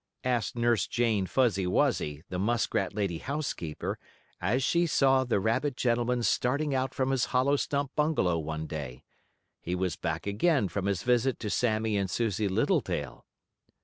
asked Nurse Jane Fuzzy Wuzzy, the muskrat lady housekeeper, as she saw the rabbit gentleman starting out from his hollow stump bungalow one day. He was back again from his visit to Sammie and Susie Littletail.